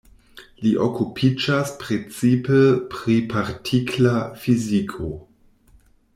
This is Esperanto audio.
Li okupiĝas precipe pri partikla fiziko.